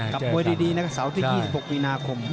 มวยดีนะครับเสาร์ที่๒๖มีนาคม